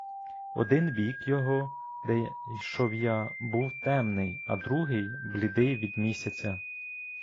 Один бік його, де йшов я, був темний, а другий блідий від місяця.